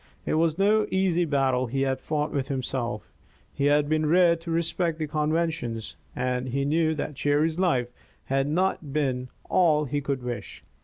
It was no easy battle he had fought with himself. He had been reared to respect the conventions, and he knew that Cherry's life had not been all he could wish.